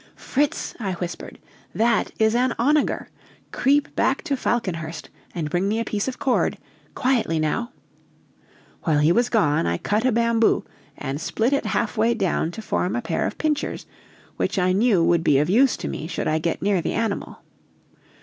"Fritz," I whispered, "that is an onager. Creep back to Falconhurst and bring me a piece of cord quietly now!" While he was gone, I cut a bamboo and split it half way down to form a pair of pincers, which I knew would be of use to me should I get near the animal.